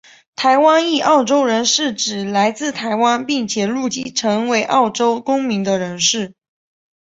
台湾裔澳洲人是指来自台湾并且入籍成为澳洲公民的人士。